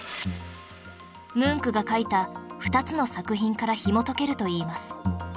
ムンクが描いた２つの作品からひもとけるといいます